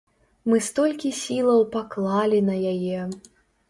Мы столькі сілаў паклалі на яе.